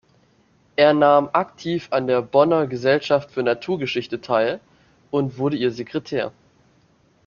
Er nahm aktiv an der "Bonner Gesellschaft für Naturgeschichte" teil und wurde ihr Sekretär.